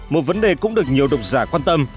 một vấn đề cũng được nhiều độc giả quan tâm